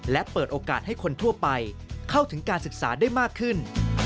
และเปิดโอกาสให้คนทั่วไปเข้าถึงการศึกษาได้มากขึ้น